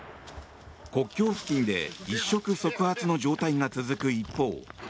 国境付近で一触即発の状態が続く一方